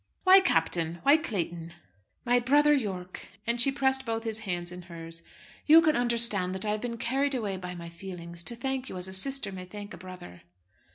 "Why Captain? Why Clayton?" "My brother Yorke," and she pressed both his hands in hers. "You can understand that I have been carried away by my feelings, to thank you as a sister may thank a brother."